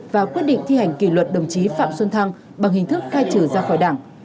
và quyết định thi hành kỷ luật đồng chí phạm xuân thăng bằng hình thức khai trừ ra khỏi đảng